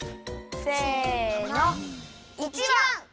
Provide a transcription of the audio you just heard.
せの１ばん！